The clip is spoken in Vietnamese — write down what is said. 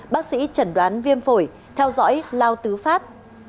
bác sĩ chẩn đoán viêm phổi theo dõi lao tứ phát